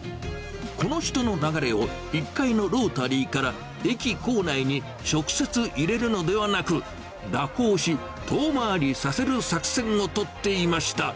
この人の流れを１階のロータリーから駅構内に直接入れるのではなく、蛇行し、遠回りさせる作戦を取っていました。